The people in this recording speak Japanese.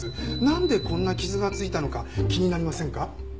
なんでこんな傷がついたのか気になりませんか？